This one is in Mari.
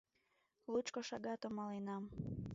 Лучко шагатым маленам.